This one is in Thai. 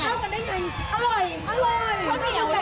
ข้อส่องคืออะไรคะ